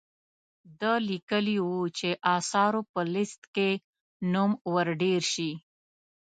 ده لیکلي وو چې آثارو په لیست کې نوم ور ډیر شي.